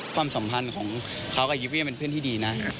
ความสัมพันธ์ของเขากับยิปเวียเป็นเพื่อนที่ดีนะ